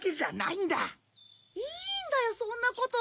いいんだよそんなこと！